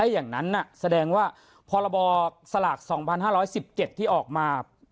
อย่างนั้นแสดงว่าพรบสลาก๒๕๑๗ที่ออกมา